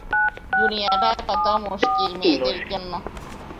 দুনিয়াটা কত মুশকিল মেয়েদের জন্য!